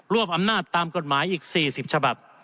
อำนาจตามกฎหมายอีก๔๐ฉบับ